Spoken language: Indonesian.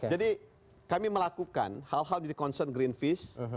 jadi kami melakukan hal hal di concern green fist